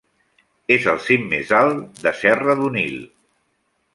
És el cim més alt de Serra d'Onil.